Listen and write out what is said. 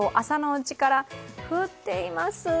朝のうちから降っています。